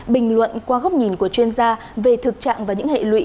bình luận qua góc nhìn của chuyên gia về thực trạng và những hệ lụy